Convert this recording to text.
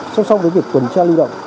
song song với việc tuần tra lưu động